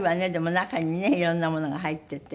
中にねいろんなものが入ってて。